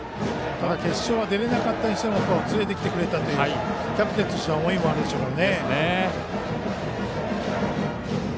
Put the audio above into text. ただ、決勝は出られなかったにせよ連れてきてくれたというキャプテンとしての思いもあるでしょうから。